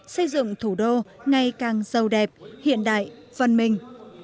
xây dựng thủ đô ngay càng sâu đẹp hiện đại văn minh